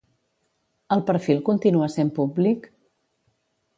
El perfil continua sent públic?